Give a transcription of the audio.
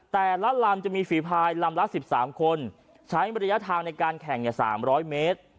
แต่ละลำจะมีฝีพายลำละ๑๓คนใช้ระยะทางในการแข่ง๓๐๐เมตร